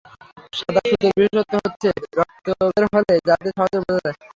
সাদা সুতার বিশেষত্ব হচ্ছে, রক্ত বের হলে যাতে সহজে বোঝা যায়।